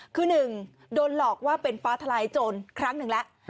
คือ๑โดนหลอกว่าเป็นฟ้าทลายโจรครั้งหนึ่งแล้ว